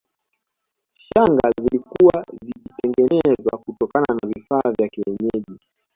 Shanga zilikuwa zikitengenezwa kutokana na vifaa vya kienyeji